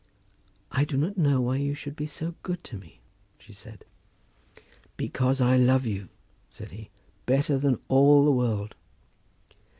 "I do not know why you should be so good to me," she said. "Because I love you," said he, "better than all the world."